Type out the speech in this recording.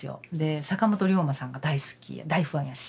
坂本龍馬さんが大好き大ファンやし